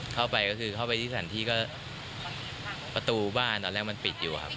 เข้าไปก็คือเข้าไปที่สถานที่ก็ประตูบ้านตอนแรกมันปิดอยู่ครับ